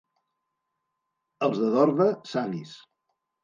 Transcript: Els de Dorve, savis.